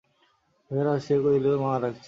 বেহারা আসিয়া কহিল, মা ডাকছেন।